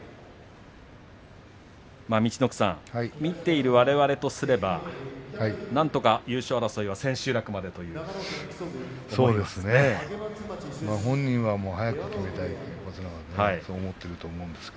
陸奥さん、見ているわれわれとすればなんとか優勝争いは千秋楽までと思いますが。